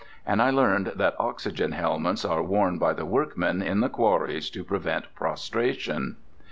And I learned that oxygen helmets are worn by the workmen in the quarries to prevent prostration.